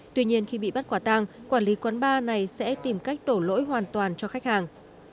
tuy nhiên khi bị bắt quả tang quản lý quán bar này sẽ tìm cách đổ lỗi hoàn toàn cho khách hàng